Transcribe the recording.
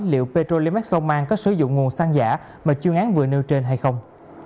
liệu petrolimax long an có sử dụng nguồn xăng giả mà chuyên án vừa nưu trên hay không